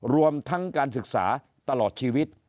รวมทั้งการศึกษาตลอดชีวิต